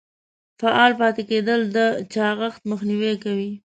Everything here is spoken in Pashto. فعال پاتې کیدل د چاغښت مخنیوی کوي.